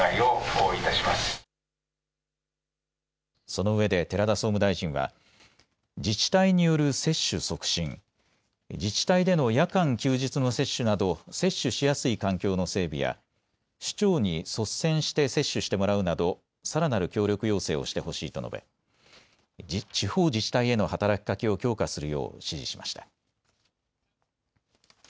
そのうえで寺田総務大臣は自治体による接種促進、自治体での夜間・休日の接種など接種しやすい環境の整備や首長に率先して接種してもらうなどさらなる協力要請をしてほしいと述べ、地方自治体への働きかけを強化するよう指示しました。